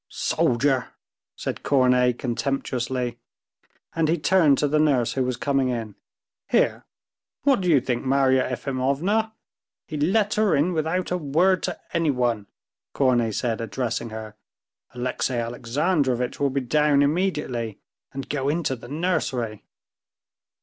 "Soldier!" said Korney contemptuously, and he turned to the nurse who was coming in. "Here, what do you think, Marya Efimovna: he let her in without a word to anyone," Korney said addressing her. "Alexey Alexandrovitch will be down immediately—and go into the nursery!"